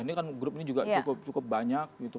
ini kan grup ini juga cukup banyak gitu